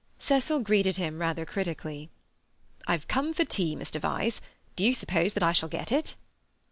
Cecil greeted him rather critically. "I've come for tea, Mr. Vyse. Do you suppose that I shall get it?"